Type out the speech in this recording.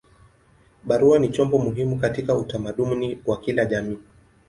Barua ni chombo muhimu katika utamaduni wa kila jamii.